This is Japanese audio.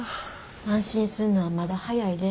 安心すんのはまだ早いで。